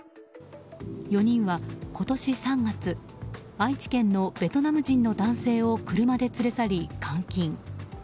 ４人は今年３月愛知県のベトナム人の男性を車で連れ去り、監禁。